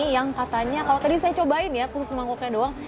yang katanya kalau tadi saya cobain ya khusus mangkuknya doang